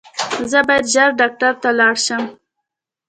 زه باید ژر ډاکټر ته ولاړ شم